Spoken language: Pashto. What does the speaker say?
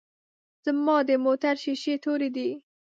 ځما دموټر شیشی توری دی.